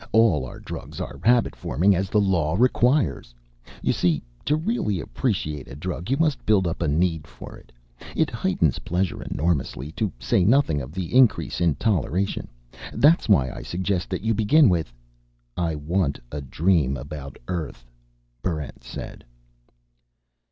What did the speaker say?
All our drugs are habit forming, as the law requires. You see, to really appreciate a drug, you must build up a need for it. It heightens pleasure enormously, to say nothing of the increase in toleration. That's why I suggest that you begin with " "I want a dream about Earth," Barrent said.